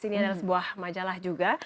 ini adalah sebuah majalah juga